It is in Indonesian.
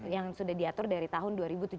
yang sudah diatur dari tahun dua ribu tujuh belas